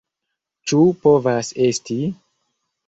Ĉu povas esti?